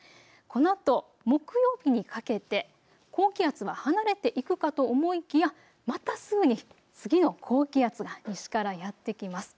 このあと木曜日にかけて高気圧は離れていくかと思いきや、またすぐに次の高気圧が西からやって来ます。